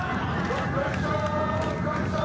どっこいしょ。